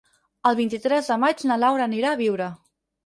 El vint-i-tres de maig na Laura anirà a Biure.